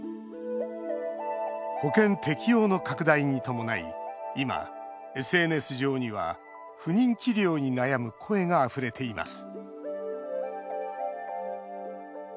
保険適用の拡大に伴い今、ＳＮＳ上には不妊治療に悩む声があふれています